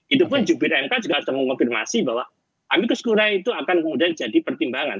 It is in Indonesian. itu pun jubir mk juga sudah mengonfirmasi bahwa ambil keseluruhan itu akan kemudian jadi pertimbangan